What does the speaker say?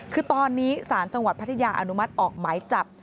คือตอนนี้สารจังหวัดพัทยาอนุมัติออกหมายจับ